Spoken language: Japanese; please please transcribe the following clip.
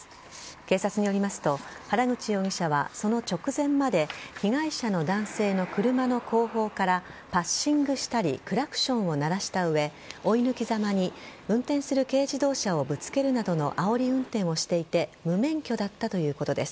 警察によりますと原口容疑者は、その直前まで被害者の男性の車の後方からパッシングしたりクラクションを鳴らした上追い抜きざまに運転する軽自動車をぶつけるなどのあおり運転をしていて無免許だったということです。